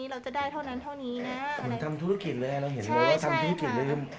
เราเห็นเลยว่าทำธุรกิจเลย